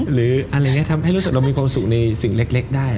หรืออะไรอย่างนี้ทำให้รู้สึกเรามีความสุขในสิ่งเล็กได้